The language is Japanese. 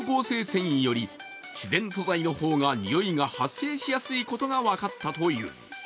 繊維より自然素材の方が臭いが発生しやすいことが分かったという。